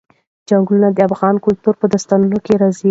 چنګلونه د افغان کلتور په داستانونو کې راځي.